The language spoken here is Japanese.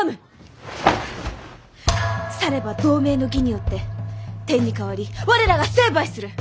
されば同盟の義によって天に代わり我らが成敗する。